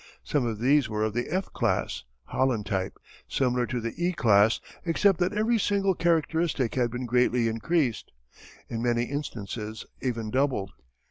Some of these were of the "F" class (Holland type), similar to the "E" class except that every single characteristic had been greatly increased, in many instances even doubled.